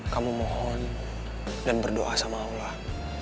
kamu mohon dan berdoa sama allah